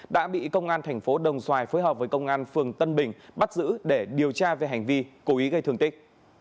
đã bị công an thành phố đồng xoài phối hợp với công an phường tân bình bắt giữ để điều tra về hành vi cố ý gây thương tích